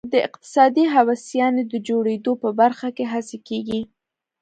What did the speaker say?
د اقتصادي هوساینې د جوړېدو په برخه کې هڅې کېږي.